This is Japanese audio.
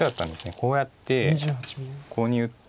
こうやってここに打って。